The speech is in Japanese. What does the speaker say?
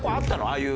ああいう。